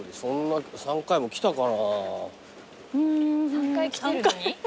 ３回来てるのに？